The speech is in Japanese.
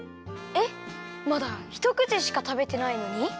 えっまだひとくちしかたべてないのに？